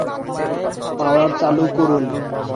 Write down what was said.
পাওয়ার চালু করুন।